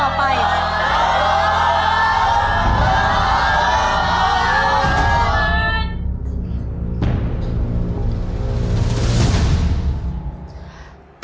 ถูกข้อ๒หมื่นบาท